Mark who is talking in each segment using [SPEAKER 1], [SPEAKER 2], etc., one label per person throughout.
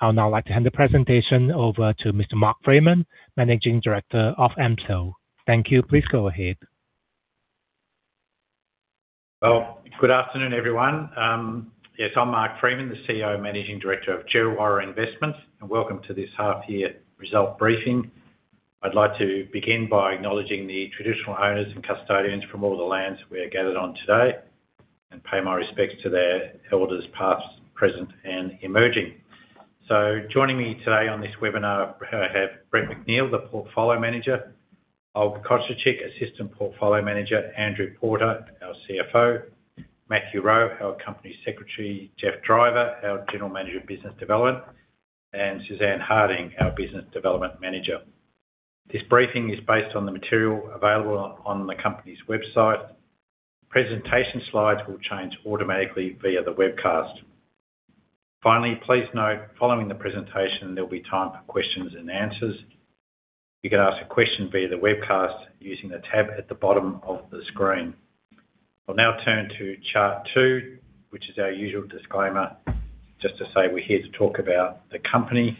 [SPEAKER 1] I would now like to hand the presentation over to Mr. Mark Freeman, Managing Director of Djerriwarrh Investments. Thank you. Please go ahead.
[SPEAKER 2] Good afternoon, everyone. Yes, I'm Mark Freeman, the CEO and Managing Director of Djerriwarrh Investments, and welcome to this half-year result briefing. I'd like to begin by acknowledging the traditional owners and custodians from all the lands we are gathered on today and pay my respects to their elders past, present, and emerging. Joining me today on this webinar I have Brett McNeill, the Portfolio Manager, Olga Kosciuczyk, Assistant Portfolio Manager, Andrew Porter, our CFO, Matthew Rowe, our Company Secretary, Geoff Driver, our General Manager of Business Development, and Suzanne Harding, our Business Development Manager. This briefing is based on the material available on the Company's website. Presentation slides will change automatically via the webcast. Finally, please note, following the presentation there will be time for questions and answers. You can ask a question via the webcast using the tab at the bottom of the screen. I'll now turn to chart two, which is our usual disclaimer, just to say we're here to talk about the Company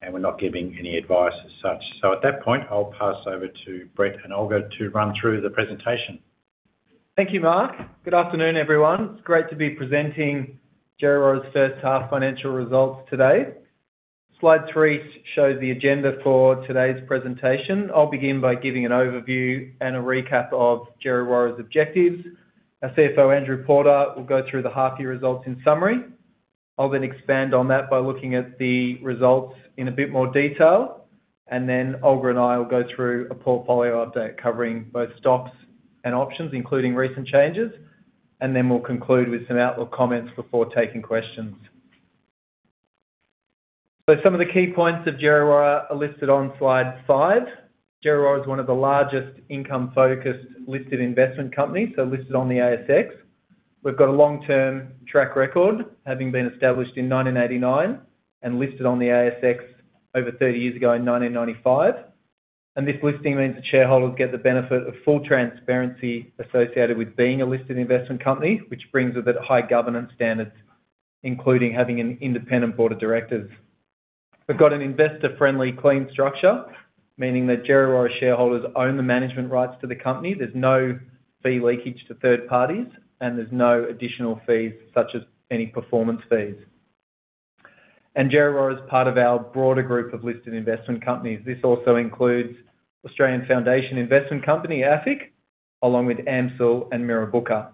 [SPEAKER 2] and we're not giving any advice as such. So at that point, I'll pass over to Brett and Olga to run through the presentation.
[SPEAKER 3] Thank you, Mark. Good afternoon, everyone. It's great to be presenting Djerriwarrh's first half-financial results today. Slide three shows the agenda for today's presentation. I'll begin by giving an overview and a recap of Djerriwarrh's objectives. Our CFO, Andrew Porter, will go through the half-year results in summary. I'll then expand on that by looking at the results in a bit more detail. And then Olga and I will go through a portfolio update covering both stocks and options, including recent changes. And then we'll conclude with some outlook comments before taking questions. So some of the key points of Djerriwarrh are listed on slide five. Djerriwarrh is one of the largest income-focused listed investment companies, so listed on the ASX. We've got a long-term track record, having been established in 1989 and listed on the ASX over 30 years ago in 1995. This listing means that shareholders get the benefit of full transparency associated with being a listed investment company, which brings with it high governance standards, including having an independent board of directors. We've got an investor-friendly, clean structure, meaning that Djerriwarrh shareholders own the management rights to the company. There's no fee leakage to third parties, and there's no additional fees such as any performance fees. Djerriwarrh is part of our broader group of listed investment companies. This also includes Australian Foundation Investment Company, AFIC, along with AMCIL and Mirrabooka.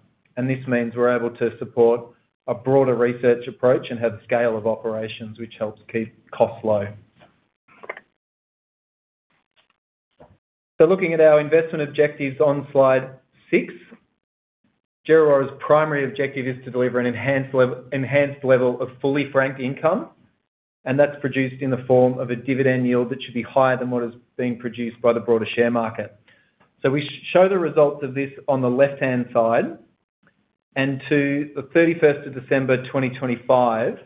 [SPEAKER 3] This means we're able to support a broader research approach and have the scale of operations, which helps keep costs low. Looking at our investment objectives on slide six, Djerriwarrh primary objective is to deliver an enhanced level of fully franked income, and that's produced in the form of a dividend yield that should be higher than what is being produced by the broader share market. So we show the results of this on the left-hand side. And to the 31st of December 2025,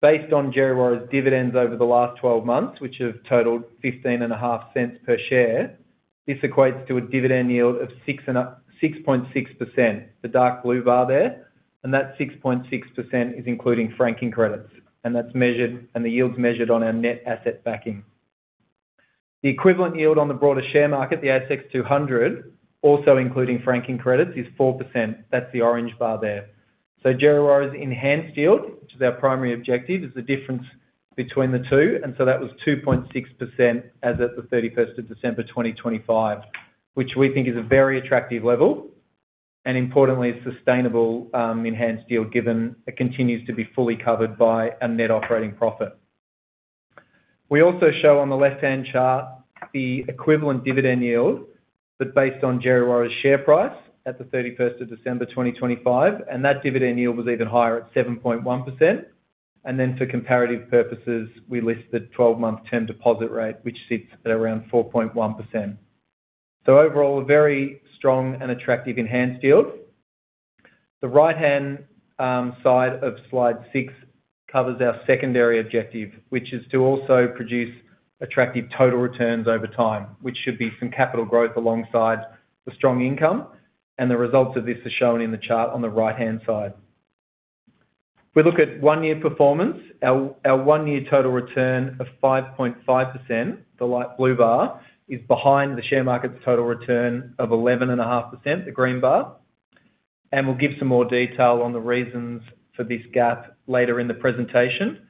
[SPEAKER 3] based on Djerriwarrh's dividends over the last 12 months, which have totaled 0.155 per share, this equates to a dividend yield of 6.6%, the dark blue bar there. And that 6.6% is including franking credits. And that's measured, and the yield's measured on our net asset backing. The equivalent yield on the broader share market, the ASX 200, also including franking credits, is 4%. That's the orange bar there. Djerriwarrh's enhanced yield, which is our primary objective, is the difference between the two. And so that was 2.6% as of the 31st of December, 2025, which we think is a very attractive level. And importantly, a sustainable enhanced yield given it continues to be fully covered by our net operating profit. We also show on the left-hand chart the equivalent dividend yield, but based on Djerriwarrh's share price at the 31st of December, 2025. And that dividend yield was even higher at 7.1%. And then for comparative purposes, we list the 12-month term deposit rate, which sits at around 4.1%. So overall, a very strong and attractive enhanced yield. The right-hand side of slide six covers our secondary objective, which is to also produce attractive total returns over time, which should be some capital growth alongside the strong income. The results of this are shown in the chart on the right-hand side. If we look at one-year performance, our one-year total return of 5.5%, the light blue bar, is behind the share market's total return of 11.5%, the green bar. We'll give some more detail on the reasons for this gap later in the presentation.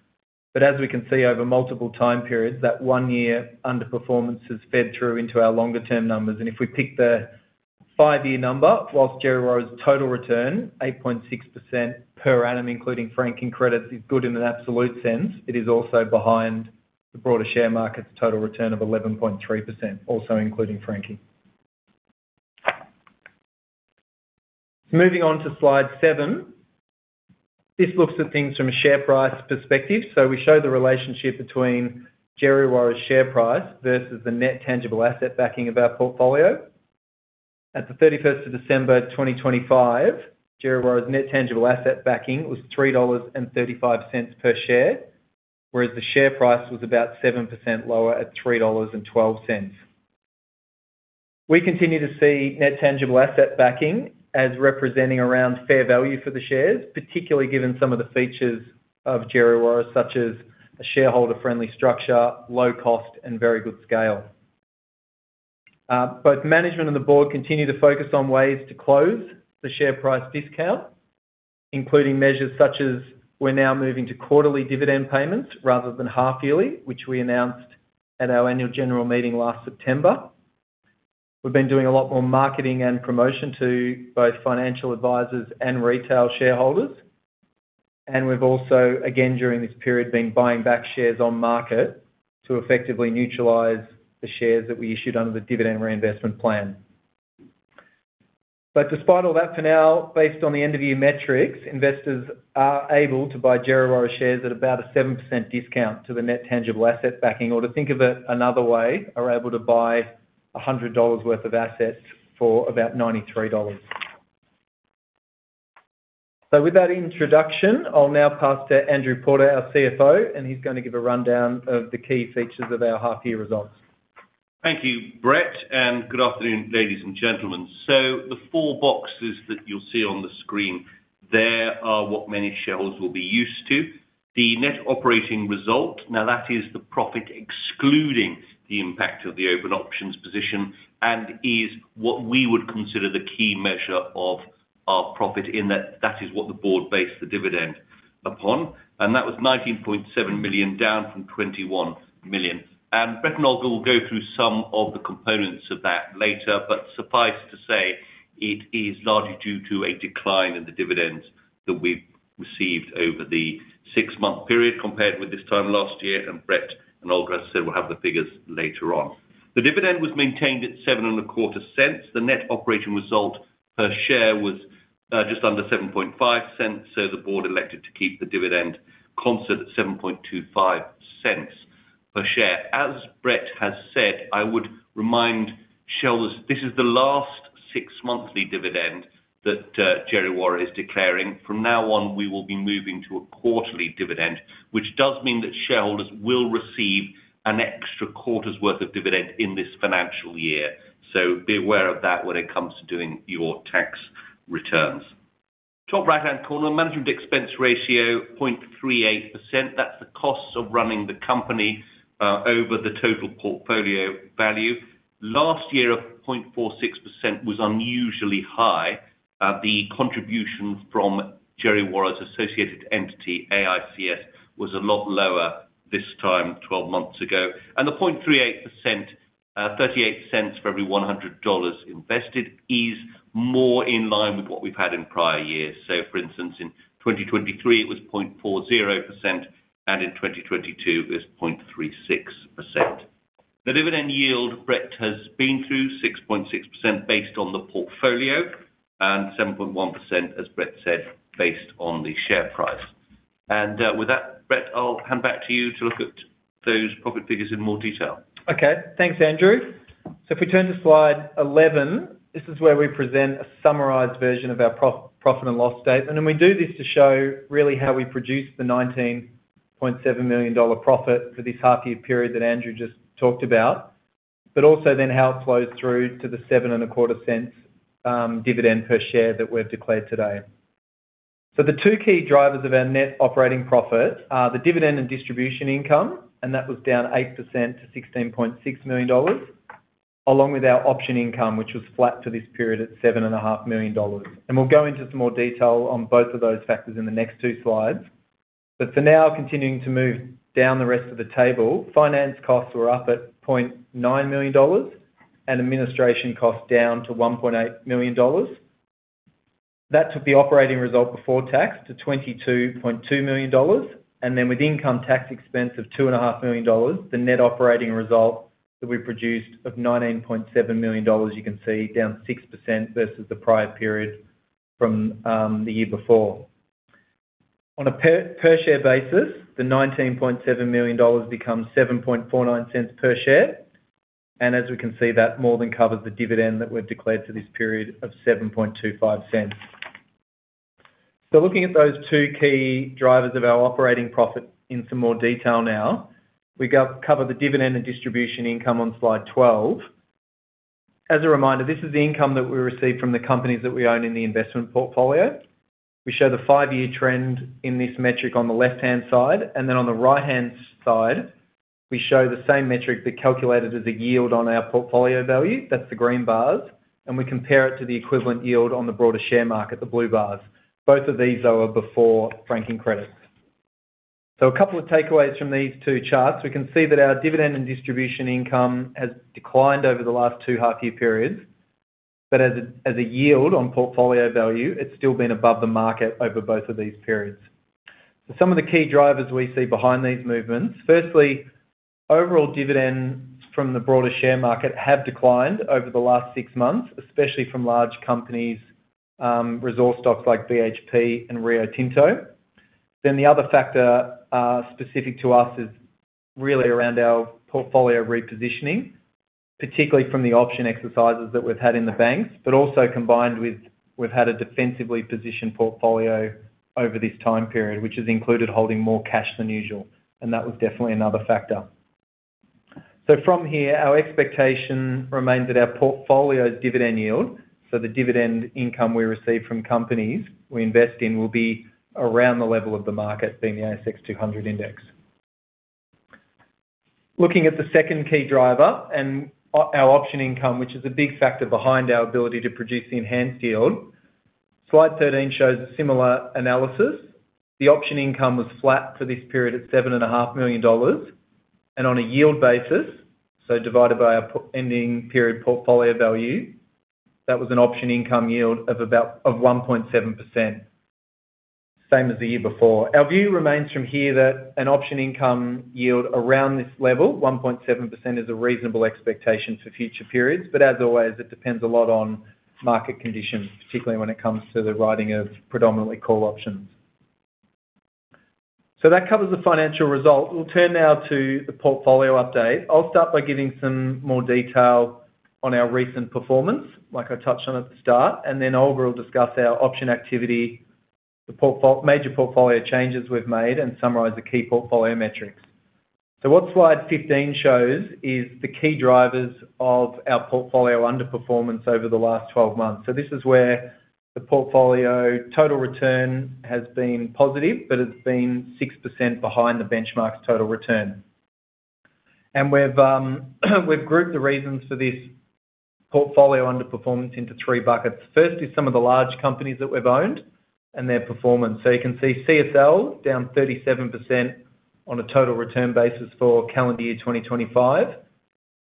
[SPEAKER 3] As we can see over multiple time periods, that one-year underperformance has fed through into our longer-term numbers. If we pick the five-year number, whilst Djerriwarrh's total return, 8.6% per annum, including franking credits, is good in an absolute sense, it is also behind the broader share market's total return of 11.3%, also including franking. Moving on to slide seven, this looks at things from a share price perspective. We show the relationship between Djerriwarrh's share price versus the net tangible asset backing of our portfolio. At the 31st of December 2025, Djerriwarrh's net tangible asset backing was 3.35 dollars per share, whereas the share price was about 7% lower at 3.12 dollars. We continue to see net tangible asset backing as representing around fair value for the shares, particularly given some of the features of Djerriwarrh, such as a shareholder-friendly structure, low cost, and very good scale. Both management and the board continue to focus on ways to close the share price discount, including measures such as we're now moving to quarterly dividend payments rather than half-yearly, which we announced at our annual general meeting last September. We've been doing a lot more marketing and promotion to both financial advisors and retail shareholders. And we've also, again, during this period, been buying back shares on market to effectively neutralize the shares that we issued under the dividend reinvestment plan. But despite all that, for now, based on the end-of-year metrics, investors are able to buy Djerriwarrh shares at about a 7% discount to the net tangible asset backing, or to think of it another way, are able to buy 100 dollars worth of assets for about 93 dollars. So with that introduction, I'll now pass to Andrew Porter, our CFO, and he's going to give a rundown of the key features of our half-year results.
[SPEAKER 4] Thank you, Brett. And good afternoon, ladies and gentlemen. So the four boxes that you'll see on the screen, they are what many shareholders will be used to. The net operating result, now that is the profit excluding the impact of the open options position, and is what we would consider the key measure of our profit, in that is what the board based the dividend upon. And that was 19.7 million down from 21 million. And Brett and Olga will go through some of the components of that later, but suffice to say, it is largely due to a decline in the dividends that we've received over the six-month period compared with this time last year. And Brett and Olga said we'll have the figures later on. The dividend was maintained at 0.0725. The net operating result per share was just under $0.075, so the board elected to keep the dividend constant at $0.0725 per share. As Brett has said, I would remind shareholders, this is the last six-monthly dividend that Djerriwarrh is declaring. From now on, we will be moving to a quarterly dividend, which does mean that shareholders will receive an extra quarter's worth of dividend in this financial year. So be aware of that when it comes to doing your tax returns. Top right-hand corner, management expense ratio, 0.38%. That's the cost of running the company over the total portfolio value. Last year, 0.46% was unusually high. The contribution from Djerriwarrh's associated entity, AICS, was a lot lower this time 12 months ago. And the 0.38%, $0.38 for every $100 invested, is more in line with what we've had in prior years. So for instance, in 2023, it was 0.40%, and in 2022, it was 0.36%. The dividend yield Brett has been through, 6.6% based on the portfolio, and 7.1%, as Brett said, based on the share price. And with that, Brett, I'll hand back to you to look at those profit figures in more detail.
[SPEAKER 3] Okay. Thanks, Andrew. So if we turn to slide 11, this is where we present a summarized version of our profit and loss statement. And we do this to show really how we produced the 19.7 million dollar profit for this half-year period that Andrew just talked about, but also then how it flows through to the 0.0725 dividend per share that we've declared today. So the two key drivers of our net operating profit are the dividend and distribution income, and that was down 8% to 16.6 million dollars, along with our option income, which was flat for this period at 7.5 million dollars. And we'll go into some more detail on both of those factors in the next two slides. But for now, continuing to move down the rest of the table, finance costs were up at 0.9 million dollars, and administration costs down to 1.8 million dollars. That took the operating result before tax to 22.2 million dollars. And then, with income tax expense of 2.5 million dollars, the net operating result that we produced of 19.7 million dollars. You can see down 6% versus the prior period from the year before. On a per-share basis, the 19.7 million dollars becomes 0.0749 per share. And as we can see, that more than covers the dividend that we've declared for this period of 0.0725. So looking at those two key drivers of our operating profit in some more detail now, we cover the dividend and distribution income on slide 12. As a reminder, this is the income that we receive from the companies that we own in the investment portfolio. We show the five-year trend in this metric on the left-hand side. On the right-hand side, we show the same metric that calculated as a yield on our portfolio value. That's the green bars. We compare it to the equivalent yield on the broader share market, the blue bars. Both of these, though, are before franking credits. A couple of takeaways from these two charts. We can see that our dividend and distribution income has declined over the last two half-year periods. But as a yield on portfolio value, it's still been above the market over both of these periods. Some of the key drivers we see behind these movements. Firstly, overall dividends from the broader share market have declined over the last six months, especially from large companies, resource stocks like BHP and Rio Tinto. The other factor specific to us is really around our portfolio repositioning, particularly from the option exercises that we've had in the banks, but also combined with we've had a defensively positioned portfolio over this time period, which has included holding more cash than usual. And that was definitely another factor. So from here, our expectation remains that our portfolio's dividend yield, so the dividend income we receive from companies we invest in, will be around the level of the market being, the ASX 200 index. Looking at the second key driver and our option income, which is a big factor behind our ability to produce the enhanced yield, slide 13 shows similar analysis. The option income was flat for this period at $7.5 million. On a yield basis, so divided by our ending period portfolio value, that was an option income yield of about 1.7%, same as the year before. Our view remains from here that an option income yield around this level, 1.7%, is a reasonable expectation for future periods. As always, it depends a lot on market conditions, particularly when it comes to the writing of predominantly call options. That covers the financial result. We'll turn now to the portfolio update. I'll start by giving some more detail on our recent performance, like I touched on at the start. Then Olga will discuss our option activity, the major portfolio changes we've made, and summarize the key portfolio metrics. What slide 15 shows is the key drivers of our portfolio underperformance over the last 12 months. So this is where the portfolio total return has been positive, but it's been 6% behind the benchmark's total return. And we've grouped the reasons for this portfolio underperformance into three buckets. First is some of the large companies that we've owned and their performance. So you can see CSL down 37% on a total return basis for calendar year 2025.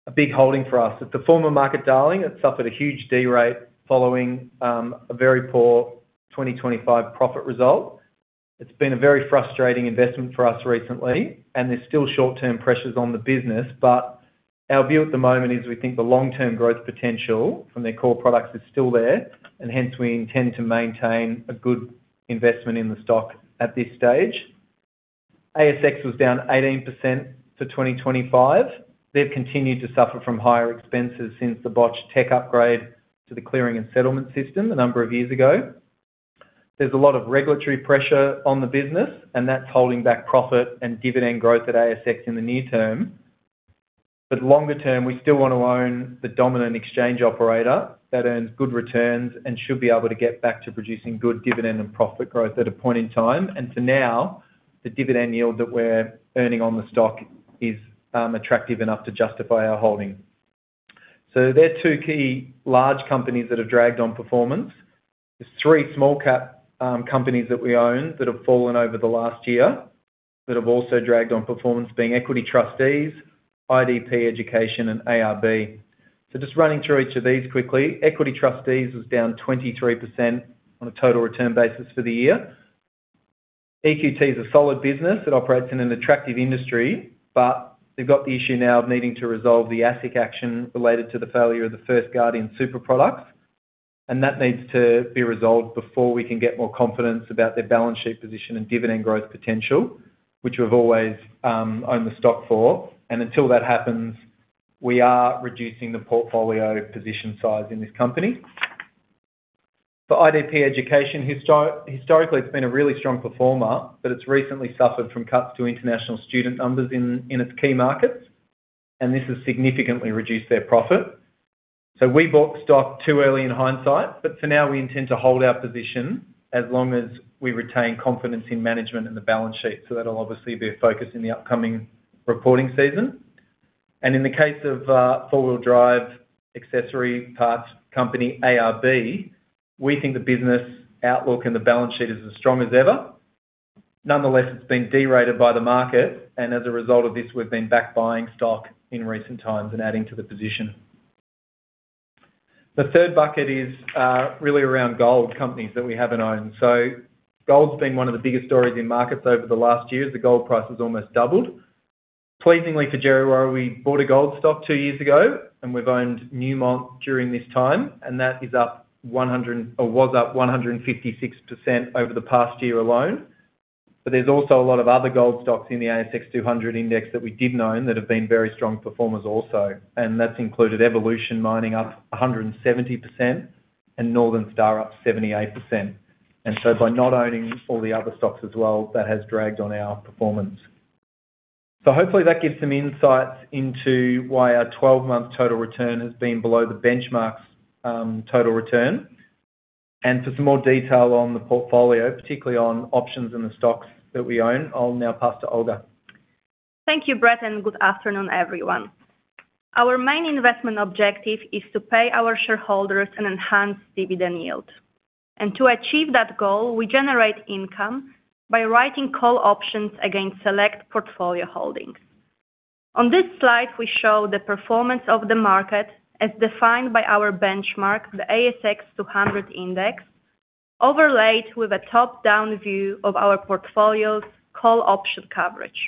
[SPEAKER 3] A big holding for us. It's a former market darling. It's suffered a huge derating following a very poor 2025 profit result. It's been a very frustrating investment for us recently, and there's still short-term pressures on the business. But our view at the moment is we think the long-term growth potential from their core products is still there, and hence we intend to maintain a good investment in the stock at this stage. ASX was down 18% for 2025. They've continued to suffer from higher expenses since the botched tech upgrade to the clearing and settlement system a number of years ago. There's a lot of regulatory pressure on the business, and that's holding back profit and dividend growth at ASX in the near term. But longer term, we still want to own the dominant exchange operator that earns good returns and should be able to get back to producing good dividend and profit growth at a point in time. And for now, the dividend yield that we're earning on the stock is attractive enough to justify our holding. So there are two key large companies that have dragged on performance. There's three small-cap companies that we own that have fallen over the last year that have also dragged on performance, being Equity Trustees, IDP Education, and ARB. So just running through each of these quickly, Equity Trustees was down 23% on a total return basis for the year. EQT is a solid business that operates in an attractive industry, but they've got the issue now of needing to resolve the ASIC action related to the failure of the First Guardian super products. And that needs to be resolved before we can get more confidence about their balance sheet position and dividend growth potential, which we've always owned the stock for. And until that happens, we are reducing the portfolio position size in this company. For IDP Education, historically, it's been a really strong performer, but it's recently suffered from cuts to international student numbers in its key markets. And this has significantly reduced their profit. We bought the stock too early in hindsight, but for now, we intend to hold our position as long as we retain confidence in management and the balance sheet. That'll obviously be a focus in the upcoming reporting season. In the case of four-wheel drive accessory parts company ARB, we think the business outlook and the balance sheet is as strong as ever. Nonetheless, it's been derated by the market. As a result of this, we've been back buying stock in recent times and adding to the position. The third bucket is really around gold companies that we haven't owned. Gold's been one of the biggest stories in markets over the last years. The gold price has almost doubled. Pleasingly for Djerriwarrh, we bought a gold stock two years ago, and we've owned Newmont during this time. That is up 100 or was up 156% over the past year alone. There's also a lot of other gold stocks in the ASX 200 index that we didn't own that have been very strong performers also. That's included Evolution Mining up 170% and Northern Star up 78%. By not owning all the other stocks as well, that has dragged on our performance. Hopefully, that gives some insights into why our 12-month total return has been below the benchmark's total return. For some more detail on the portfolio, particularly on options and the stocks that we own, I'll now pass to Olga.
[SPEAKER 5] Thank you, Brett, and good afternoon, everyone. Our main investment objective is to pay our shareholders an enhanced dividend yield to achieve that goal. We generate income by writing call options against select portfolio holdings. On this slide, we show the performance of the market as defined by our benchmark, the ASX 200 index, overlaid with a top-down view of our portfolio's call option coverage.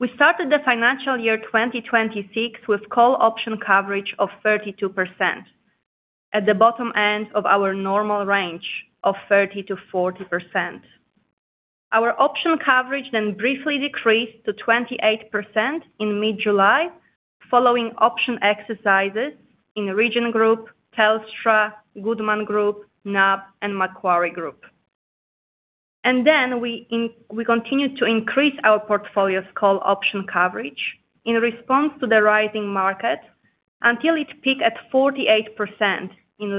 [SPEAKER 5] We started the financial year 2026 with call option coverage of 32% at the bottom end of our normal range of 30%-40%. Our option coverage then briefly decreased to 28% in mid-July following option exercises in Region Group, Telstra, Goodman Group, NAB, and Macquarie Group. We continued to increase our portfolio's call option coverage in response to the rising market until it peaked at 48% in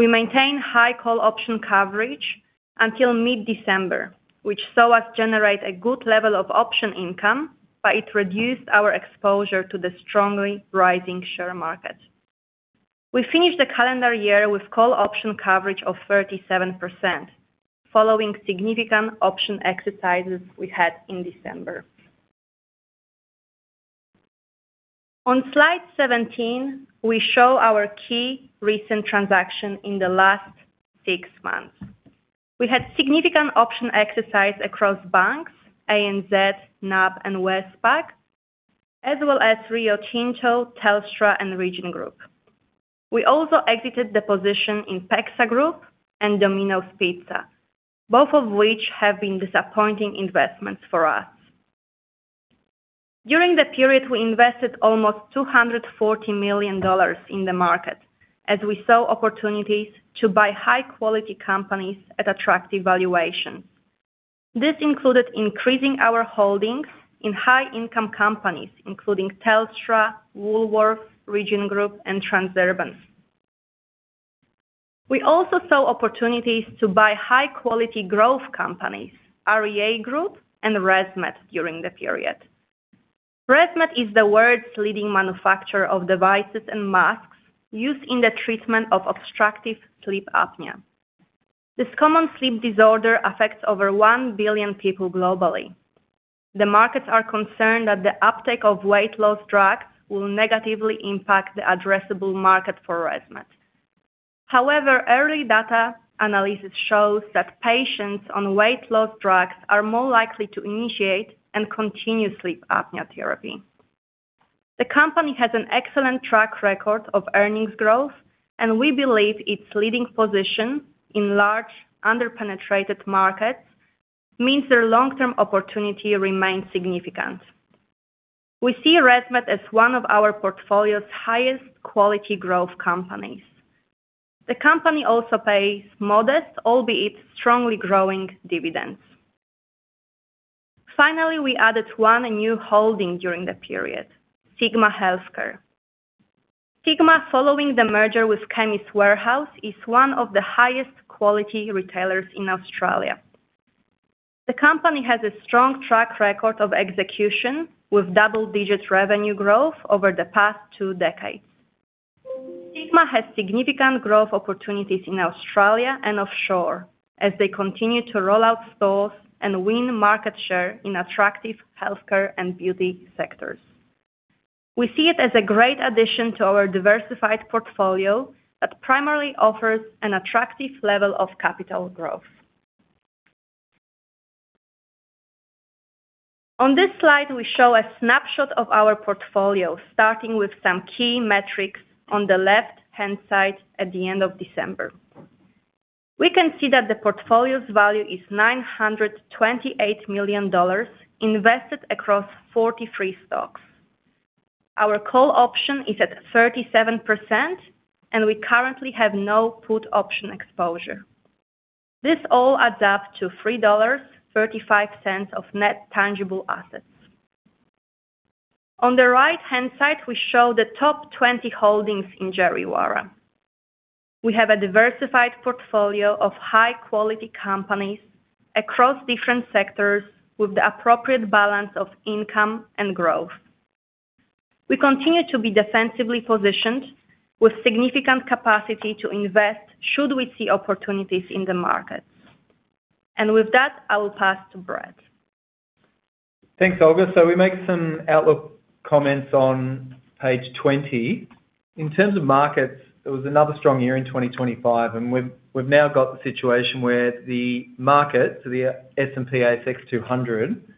[SPEAKER 5] late October. We maintained high call option coverage until mid-December, which saw us generate a good level of option income, but it reduced our exposure to the strongly rising share market. We finished the calendar year with call option coverage of 37% following significant option exercises we had in December. On slide 17, we show our key recent transaction in the last six months. We had significant option exercise across banks, ANZ, NAB, and Westpac, as well as Rio Tinto, Telstra, and Region Group. We also exited the position in PEXA Group and Domino's Pizza, both of which have been disappointing investments for us. During the period, we invested almost 240 million dollars in the market as we saw opportunities to buy high-quality companies at attractive valuations. This included increasing our holdings in high-income companies, including Telstra, Woolworths, Region Group, and Transurban. We also saw opportunities to buy high-quality growth companies, REA Group, and ResMed during the period. ResMed is the world's leading manufacturer of devices and masks used in the treatment of obstructive sleep apnea. This common sleep disorder affects over 1 billion people globally. The markets are concerned that the uptake of weight loss drugs will negatively impact the addressable market for ResMed. However, early data analysis shows that patients on weight loss drugs are more likely to initiate and continue sleep apnea therapy. The company has an excellent track record of earnings growth, and we believe its leading position in large underpenetrated markets means their long-term opportunity remains significant. We see ResMed as one of our portfolio's highest-quality growth companies. The company also pays modest, albeit strongly growing dividends. Finally, we added one new holding during the period, Sigma Healthcare. Sigma, following the merger with Chemist Warehouse, is one of the highest quality retailers in Australia. The company has a strong track record of execution with double-digit revenue growth over the past two decades. Sigma has significant growth opportunities in Australia and offshore as they continue to roll out stores and win market share in attractive healthcare and beauty sectors. We see it as a great addition to our diversified portfolio that primarily offers an attractive level of capital growth. On this slide, we show a snapshot of our portfolio, starting with some key metrics on the left-hand side at the end of December. We can see that the portfolio's value is 928 million dollars invested across 43 stocks. Our call option is at 37%, and we currently have no put option exposure. This all adds up to 3.35 dollars of net tangible assets. On the right-hand side, we show the top 20 holdings in Djerriwarrh. We have a diversified portfolio of high-quality companies across different sectors with the appropriate balance of income and growth. We continue to be defensively positioned with significant capacity to invest should we see opportunities in the markets, and with that, I will pass to Brett.
[SPEAKER 3] Thanks, Olga. So we make some outlook comments on page 20. In terms of markets, it was another strong year in 2025, and we've now got the situation where the market, the S&P/ASX 200,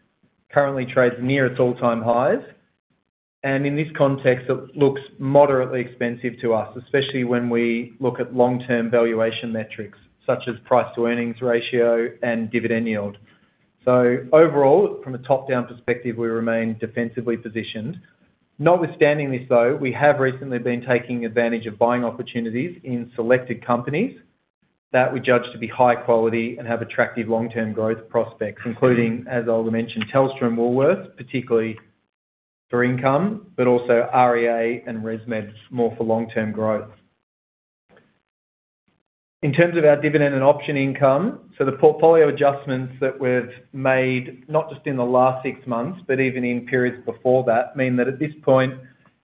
[SPEAKER 3] currently trades near its all-time highs. And in this context, it looks moderately expensive to us, especially when we look at long-term valuation metrics such as price-to-earnings ratio and dividend yield. So overall, from a top-down perspective, we remain defensively positioned. Notwithstanding this, though, we have recently been taking advantage of buying opportunities in selected companies that we judge to be high quality and have attractive long-term growth prospects, including, as Olga mentioned, Telstra and Woolworths, particularly for income, but also REA and ResMed more for long-term growth. In terms of our dividend and option income, so the portfolio adjustments that we've made, not just in the last six months, but even in periods before that, mean that at this point,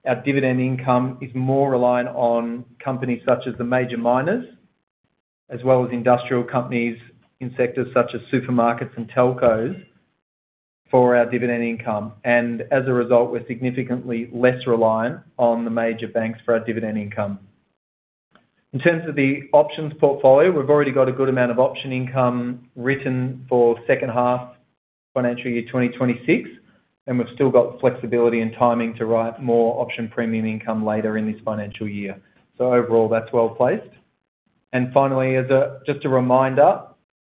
[SPEAKER 3] our dividend income is more reliant on companies such as the major miners, as well as industrial companies in sectors such as supermarkets and telcos for our dividend income, and as a result, we're significantly less reliant on the major banks for our dividend income. In terms of the options portfolio, we've already got a good amount of option income written for second half financial year 2026, and we've still got flexibility and timing to write more option premium income later in this financial year, so overall, that's well placed. And finally, just a reminder,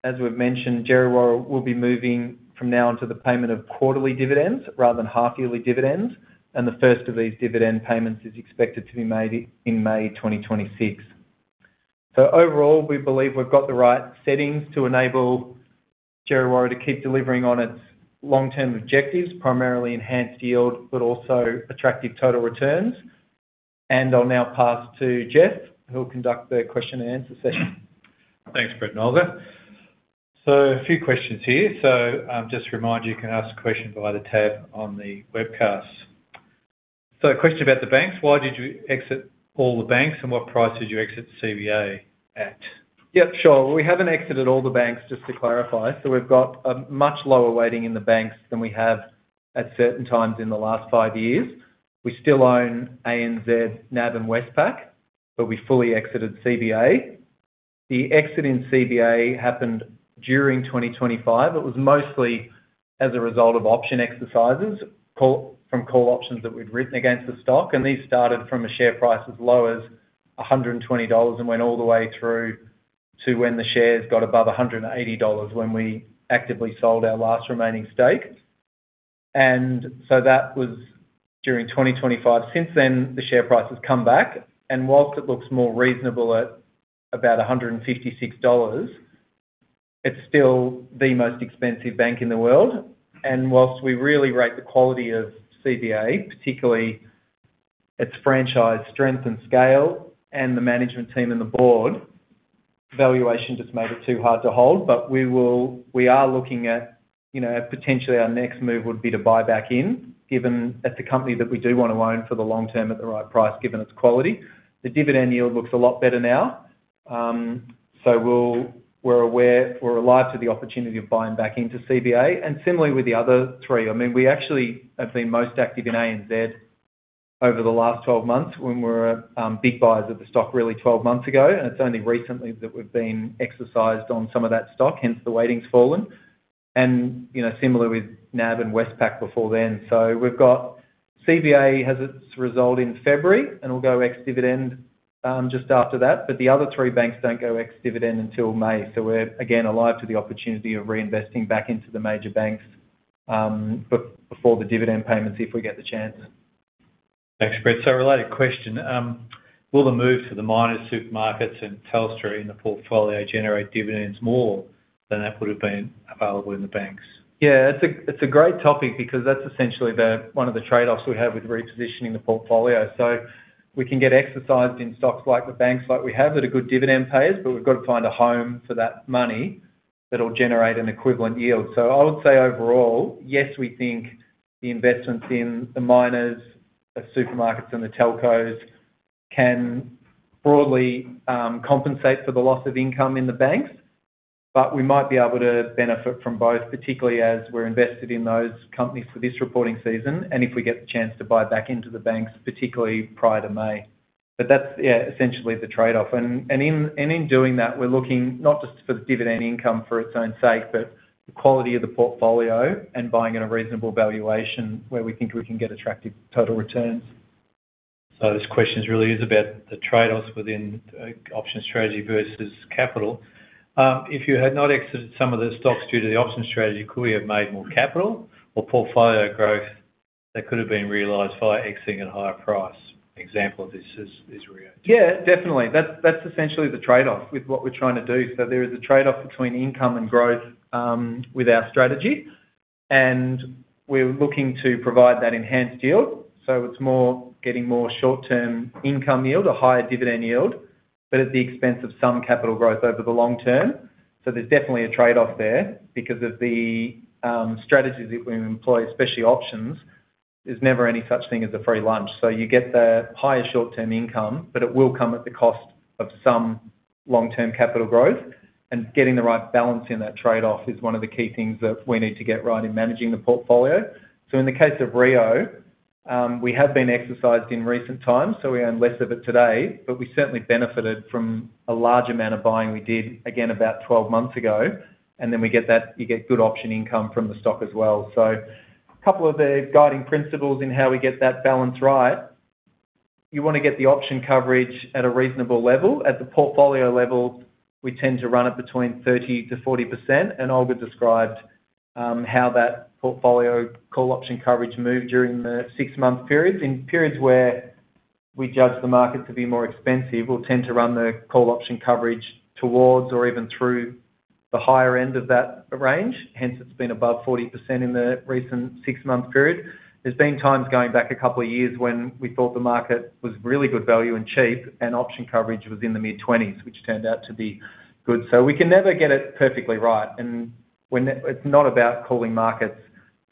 [SPEAKER 3] as we've mentioned, Djerriwarrh will be moving from now on to the payment of quarterly dividends rather than half-yearly dividends, and the first of these dividend payments is expected to be made in May 2026. So overall, we believe we've got the right settings to enable Djerriwarrh to keep delivering on its long-term objectives, primarily enhanced yield, but also attractive total returns. And I'll now pass to Geoff, who'll conduct the question-and-answer session.
[SPEAKER 6] Thanks, Brett and Olga. A few questions here. Just to remind you, you can ask a question via the tab on the webcast. A question about the banks. Why did you exit all the banks, and what price did you exit CBA at?
[SPEAKER 3] Yeah, sure. We haven't exited all the banks, just to clarify, so we've got a much lower weighting in the banks than we have at certain times in the last five years. We still own ANZ, NAB, and Westpac, but we fully exited CBA. The exit in CBA happened during 2025. It was mostly as a result of option exercises from call options that we'd written against the stock, and these started from a share price as low as 120 dollars and went all the way through to when the shares got above 180 dollars when we actively sold our last remaining stake, and so that was during 2025. Since then, the share price has come back, and whilst it looks more reasonable at about 156 dollars, it's still the most expensive bank in the world. And whilst we really rate the quality of CBA, particularly its franchise strength and scale, and the management team and the board, valuation just made it too hard to hold. But we are looking at potentially our next move would be to buy back in, given it's a company that we do want to own for the long term at the right price, given its quality. The dividend yield looks a lot better now. So we're alive to the opportunity of buying back into CBA. And similarly with the other three. I mean, we actually have been most active in ANZ over the last 12 months when we were big buyers of the stock really 12 months ago. And it's only recently that we've been exercised on some of that stock, hence the weighting's fallen. And similarly with NAB and Westpac before then. So we've got CBA has its result in February, and we'll go ex-dividend just after that. But the other three banks don't go ex-dividend until May. So we're again alive to the opportunity of reinvesting back into the major banks before the dividend payments if we get the chance.
[SPEAKER 6] Thanks, Brett. So a related question. Will the move to the miners, supermarkets, and Telstra in the portfolio generate dividends more than that would have been available in the banks?
[SPEAKER 3] Yeah, it's a great topic because that's essentially one of the trade-offs we have with repositioning the portfolio. So we can get exercised in stocks like the banks like we have that are good dividend payers, but we've got to find a home for that money that'll generate an equivalent yield. So I would say overall, yes, we think the investments in the miners, the supermarkets, and the telcos can broadly compensate for the loss of income in the banks, but we might be able to benefit from both, particularly as we're invested in those companies for this reporting season and if we get the chance to buy back into the banks, particularly prior to May. But that's, yeah, essentially the trade-off. In doing that, we're looking not just for the dividend income for its own sake, but the quality of the portfolio and buying at a reasonable valuation where we think we can get attractive total returns.
[SPEAKER 6] So this question really is about the trade-offs within option strategy versus capital. If you had not exited some of the stocks due to the option strategy, could we have made more capital or portfolio growth that could have been realized via exiting at a higher price? An example of this is REA.
[SPEAKER 3] Yeah, definitely. That's essentially the trade-off with what we're trying to do, so there is a trade-off between income and growth with our strategy, and we're looking to provide that enhanced yield, so it's more getting more short-term income yield, a higher dividend yield, but at the expense of some capital growth over the long term, so there's definitely a trade-off there because of the strategies that we employ, especially options. There's never any such thing as a free lunch, so you get the higher short-term income, but it will come at the cost of some long-term capital growth, and getting the right balance in that trade-off is one of the key things that we need to get right in managing the portfolio. In the case of REA, we have been exercised in recent times, so we earn less of it today, but we certainly benefited from a large amount of buying we did again about 12 months ago. And then we get that you get good option income from the stock as well. A couple of the guiding principles in how we get that balance right. You want to get the option coverage at a reasonable level. At the portfolio level, we tend to run it between 30%-40%. And Olga described how that portfolio call option coverage moved during the six-month period. In periods where we judge the market to be more expensive, we'll tend to run the call option coverage towards or even through the higher end of that range. Hence, it's been above 40% in the recent six-month period. There's been times going back a couple of years when we thought the market was really good value and cheap, and option coverage was in the mid-20s, which turned out to be good. So we can never get it perfectly right. And it's not about calling markets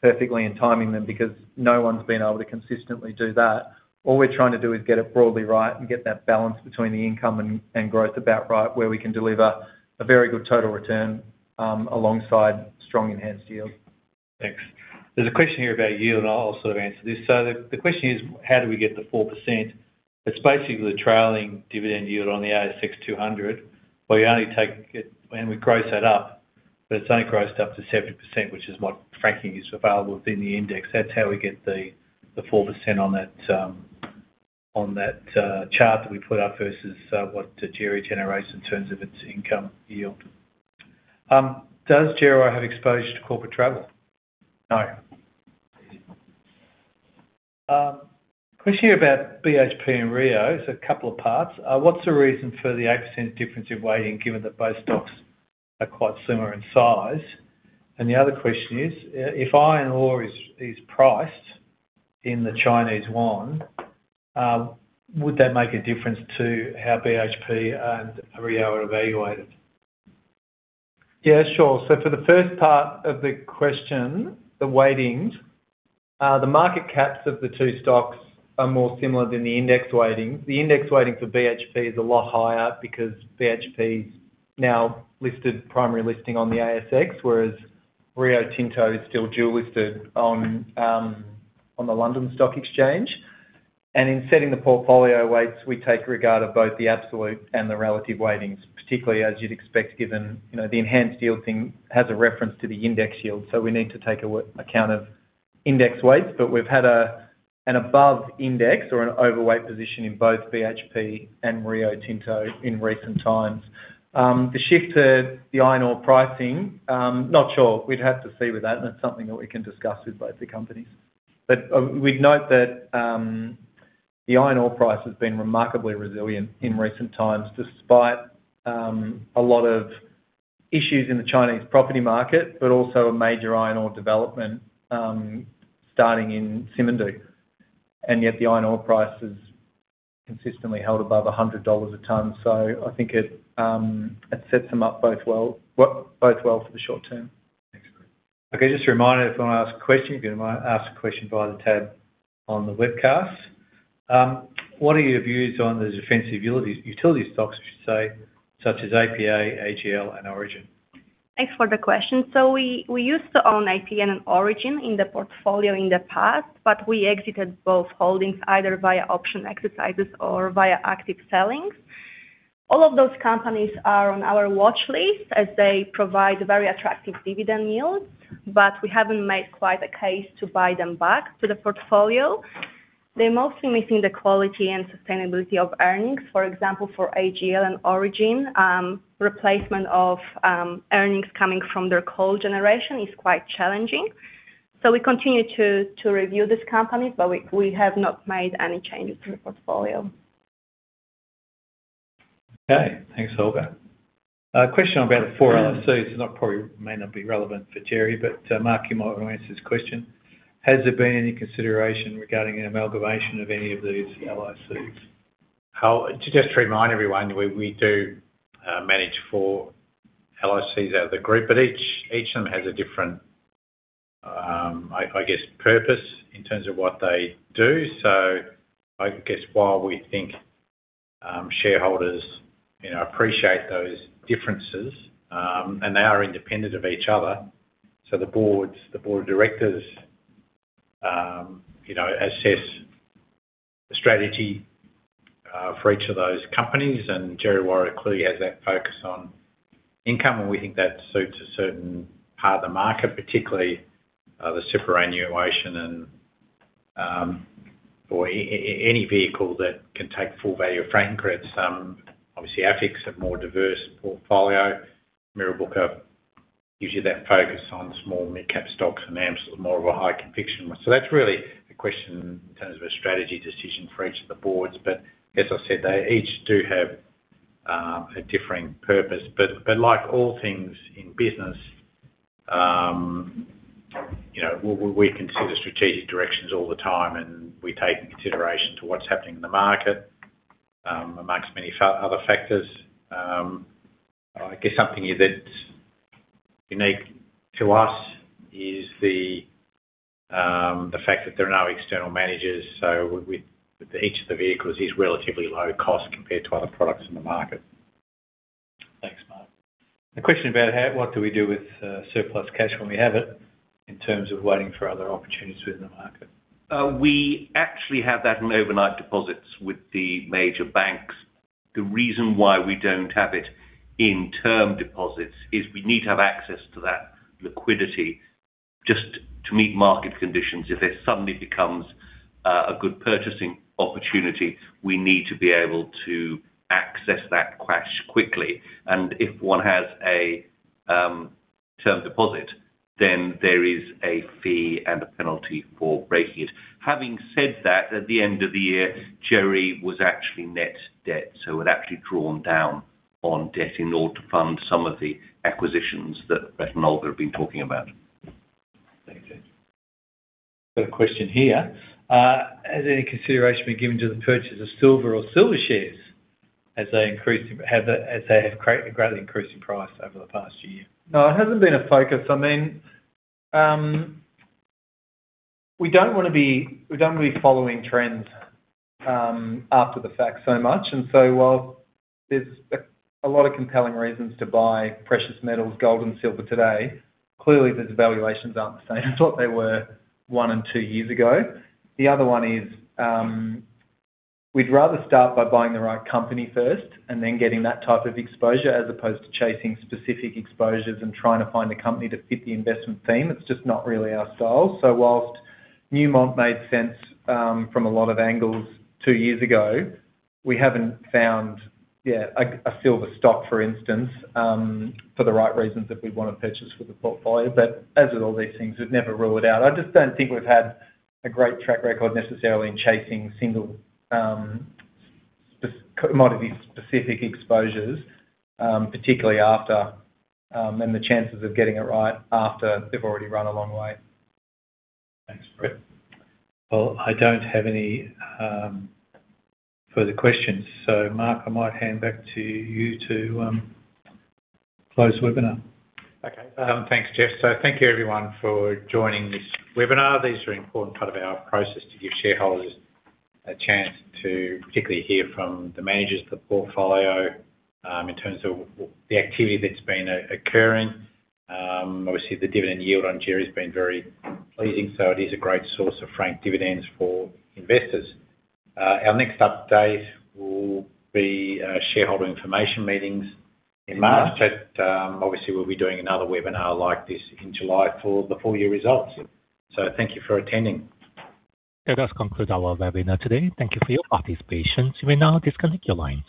[SPEAKER 3] perfectly and timing them because no one's been able to consistently do that. All we're trying to do is get it broadly right and get that balance between the income and growth about right where we can deliver a very good total return alongside strong enhanced yield.
[SPEAKER 6] Thanks. There's a question here about yield, and I'll sort of answer this. So the question is, how do we get the 4%? It's basically the trailing dividend yield on the ASX 200, where you only take it and we gross that up, but it's only grossed up to 70%, which is what franking is available within the index. That's how we get the 4% on that chart that we put up versus what Djerriwarrh generates in terms of its income yield. Does Djerriwarrh have exposure to corporate travel?
[SPEAKER 3] No.
[SPEAKER 6] Question here about BHP and RIO. It's a couple of parts. What's the reason for the 8% difference in weighting given that both stocks are quite similar in size? And the other question is, if iron ore is priced in the Chinese yuan, would that make a difference to how BHP and RIO are evaluated?
[SPEAKER 3] Yeah, sure. So for the first part of the question, the weightings, the market caps of the two stocks are more similar than the index weightings. The index weighting for BHP is a lot higher because BHP is now listed, primary listing on the ASX, whereas Rio Tinto is still dual-listed on the London Stock Exchange. And in setting the portfolio weights, we take regard of both the absolute and the relative weightings, particularly as you'd expect given the enhanced yield thing has a reference to the index yield. So we need to take account of index weights, but we've had an above index or an overweight position in both BHP and Rio Tinto in recent times. The shift to the iron ore pricing, not sure. We'd have to see with that, and that's something that we can discuss with both the companies. But we'd note that the iron ore price has been remarkably resilient in recent times despite a lot of issues in the Chinese property market, but also a major iron ore development starting in Simandou. And yet the iron ore price has consistently held above $100 a tonne. So I think it sets them up both well for the short term.
[SPEAKER 6] Excellent. Okay, just a reminder, if you want to ask a question, you can ask a question via the tab on the webcast. What are your views on the defensive utility stocks, I should say, such as APA, AGL, and Origin?
[SPEAKER 5] Thanks for the question. So we used to own ITN and Origin in the portfolio in the past, but we exited both holdings either via option exercises or via active sellings. All of those companies are on our watch list as they provide very attractive dividend yields, but we haven't made quite a case to buy them back to the portfolio. They're mostly missing the quality and sustainability of earnings. For example, for AGL and Origin, replacement of earnings coming from their coal generation is quite challenging. So we continue to review these companies, but we have not made any changes to the portfolio.
[SPEAKER 6] Okay, thanks, Olga. Question about the four LICs. It may not be relevant for Djerri, but Mark, you might want to answer this question. Has there been any consideration regarding an amalgamation of any of these LICs?
[SPEAKER 2] Just to remind everyone, we do manage four LICs out of the group, but each of them has a different, I guess, purpose in terms of what they do. So I guess while we think shareholders appreciate those differences, and they are independent of each other, so the board of directors assess the strategy for each of those companies. And Djerriwarrh clearly has that focus on income, and we think that suits a certain part of the market, particularly the superannuation and any vehicle that can take full value of franking credits. Obviously, AFIC have a more diverse portfolio. Mirrabooka have usually that focus on small mid-cap stocks and AMCIL with more of a high conviction. So that's really a question in terms of a strategy decision for each of the boards. But as I said, they each do have a differing purpose. But like all things in business, we consider strategic directions all the time, and we take into consideration what's happening in the market among many other factors. I guess something that's unique to us is the fact that there are no external managers. So each of the vehicles is relatively low-cost compared to other products in the market.
[SPEAKER 6] Thanks, Mark. A question about what do we do with surplus cash when we have it in terms of waiting for other opportunities within the market?
[SPEAKER 2] We actually have that in overnight deposits with the major banks. The reason why we don't have it in term deposits is we need to have access to that liquidity just to meet market conditions. If it suddenly becomes a good purchasing opportunity, we need to be able to access that cash quickly, and if one has a term deposit, then there is a fee and a penalty for breaking it. Having said that, at the end of the year, Jerry was actually net debt. So it was actually drawn down on debt in order to fund some of the acquisitions that Brett and Olga have been talking about.
[SPEAKER 6] Thank you. Got a question here. Has any consideration been given to the purchase of silver or silver shares as they have greatly increased in price over the past year?
[SPEAKER 3] No, it hasn't been a focus. I mean, we don't want to be following trends after the fact so much. And so while there's a lot of compelling reasons to buy precious metals, gold and silver today, clearly the valuations aren't the same as what they were one and two years ago. The other one is we'd rather start by buying the right company first and then getting that type of exposure as opposed to chasing specific exposures and trying to find a company to fit the investment theme. It's just not really our style. So while Newmont made sense from a lot of angles two years ago, we haven't found yet a silver stock, for instance, for the right reasons that we'd want to purchase for the portfolio. But as with all these things, we've never ruled it out. I just don't think we've had a great track record necessarily in chasing single commodity-specific exposures, particularly after, and the chances of getting it right after they've already run a long way.
[SPEAKER 6] Thanks, Brett. Well, I don't have any further questions. So Mark, I might hand back to you to close the webinar.
[SPEAKER 2] Okay, thanks, Geoff, so thank you, everyone, for joining this webinar. These are an important part of our process to give shareholders a chance to particularly hear from the managers of the portfolio in terms of the activity that's been occurring. Obviously, the dividend yield on Djerriwarrh has been very pleasing, so it is a great source of franked dividends for investors. Our next update will be shareholder information meetings in March, but obviously, we'll be doing another webinar like this in July for the full year results, so thank you for attending.
[SPEAKER 1] That does conclude our webinar today. Thank you for your participation. You may now disconnect your line.